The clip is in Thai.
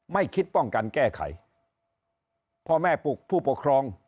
ไม่คิดป้องกันแก้ไขพ่อแม่ปลูกผู้ปกครอง